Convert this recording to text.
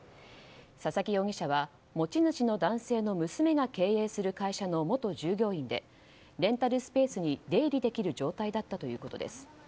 佐々木容疑者は持ち主の男性の娘が経営する会社の元従業員でレンタルスペースに出入りできる状態だったということです。